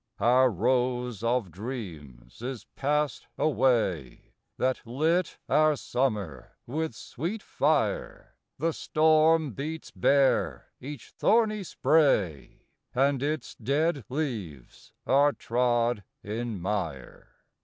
Our rose of dreams is passed away, That lit our summer with sweet fire; The storm beats bare each thorny spray, And its dead leaves are trod in mire.